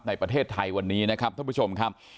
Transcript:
ในประเทศไทยวันนี้นะครับท่านผู้ชมครับ